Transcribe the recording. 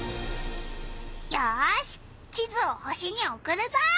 よし地図を星におくるぞ！